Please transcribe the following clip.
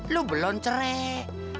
lu belum cerai